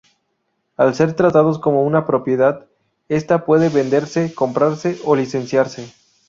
Al ser tratados como una propiedad, esta puede venderse, comprarse o licenciarse.